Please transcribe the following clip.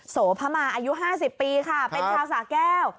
โสพมาอายุ๕๐ปีค่ะเป็นชาวสาแก้ว